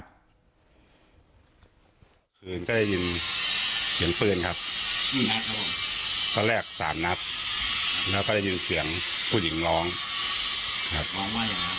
คืนก็ได้ยินเสียงฟืนครับตอนแรก๓นับแล้วก็ได้ยินเสียงผู้หญิงร้อง